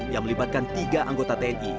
yang melibatkan tiga anggota tni